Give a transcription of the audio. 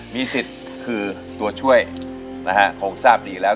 มีสิทธิ์คือตัวช่วยนะฮะคงทราบดีแล้ว